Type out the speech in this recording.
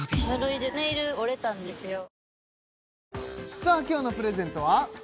さあ今日のプレゼントは？